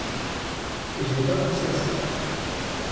Et je n’ai pas pensé à cela!